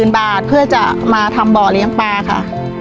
๔๐๐๐๐บาทเพื่อจะมาทำบ่อเลี้ยงปลา